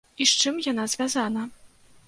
І з чым яна звязана?